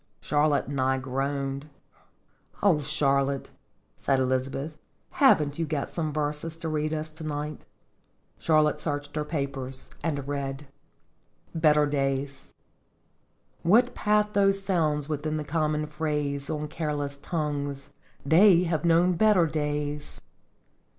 Charlotte and I groaned. "Oh, Charlotte," said Elizabeth, "haven't you got some verses to read to us to night?" Charlotte searched her papers, and read : Singefc iftottjs. 39 "BETTER DAYS. " What pathos sounds within the common phrase On careless tongues :* They have known better days!'